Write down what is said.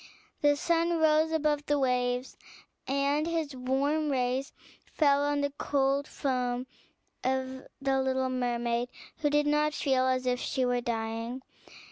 The sun rose above the waves, and his warm rays fell on the cold foam of the little mermaid, who did not feel as if she were dying.